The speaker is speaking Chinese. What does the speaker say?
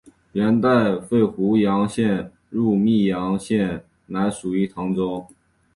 元代废湖阳县入泌阳县仍属唐州。